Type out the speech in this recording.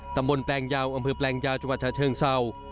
ตำบลแปลงยาวอำเภอแปลงยาวจังหวัดชาเชิงเศร้า